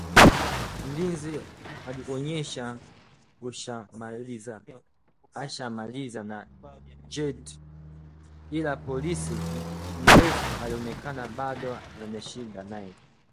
Mlinzi alionyesha ashamalizana na Jared ila polisi mrefu alionekana bado ana shida naye